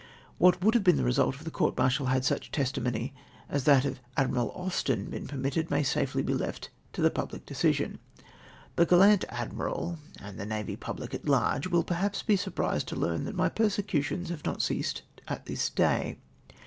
Wliat would have been the result of the court martial had such testimony as that of Admmal Austen been permitted, may safely be left to public decision. The gallant Admiral and the naval public at large Avill perhaps be surprised to learn that my persecutions have not ceased at this day.